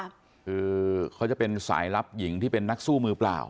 คือเขาจะเป็นสายลับหญิงที่เป็นนักสู้มือเปล่า